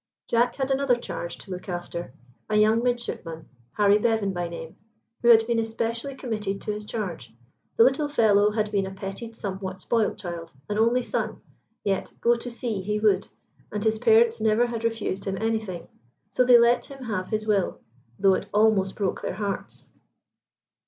Jack had another charge to look after, a young midshipman, Harry Bevan by name, who had been especially committed to his charge. The little fellow had been a petted somewhat spoilt child, an only son, yet go to sea he would; and his parents never had refused him anything, so they let him have his will, though it almost broke their hearts.